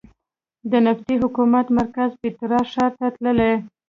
د نبطي حکومت مرکز پېټرا ښار ته تللې.